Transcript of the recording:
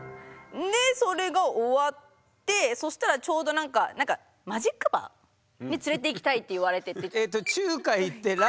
でそれが終わってそしたらちょうどなんかマジックバーに連れていきたいって言われて。